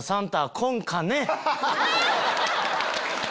「来んかね」。